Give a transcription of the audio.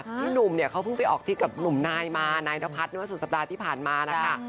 พี่หนุ่มเนี่ยเขาเพิ่งไปออกทิศกับหนุ่มนายมานายนพัฒน์เมื่อสุดสัปดาห์ที่ผ่านมานะคะ